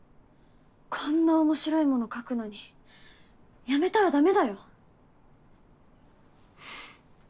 こんな面白いもの書くのにやめたらダメだよ！